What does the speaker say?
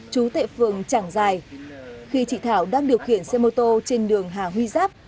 chú tệ phường chẳng dài khi chị thảo đang điều khiển xe mô tô trên đường hà huy giáp